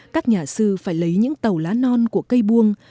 các nhà sư phải lấy những tàu lá non của cây buông